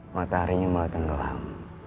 mataharinya mulai tenggelam